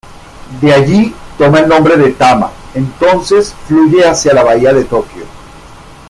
De allí, toma el nombre de Tama, entonces fluye hacia la bahía de Tokio.